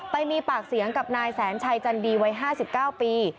ไปมีปากเสียงกับนายแสนชัยจันดีวัย๕๙ปี